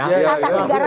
ini etis ya mbak